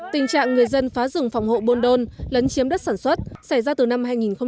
tình trạng người dân phá rừng phòng hộ buôn đôn lấn chiếm đất sản xuất xảy ra từ năm hai nghìn một mươi